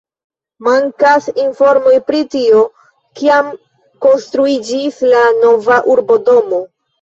Mankas informoj pri tio, kiam konstruiĝis la nova urbodomo.